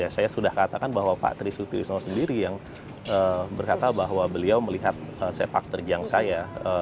saya sudah katakan bahwa pak tri suti yusono sendiri yang berkata bahwa beliau melihat sepak terjang saya